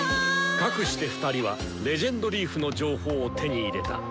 かくして２人は「レジェンドリーフ」の情報を手に入れた。